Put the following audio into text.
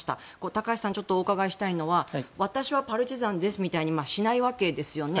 高橋さんにちょっとお伺いしたいのは私はパルチザンですみたいにしないわけですよね。